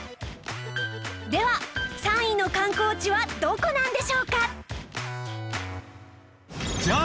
では３位の観光地はどこなんでしょうか？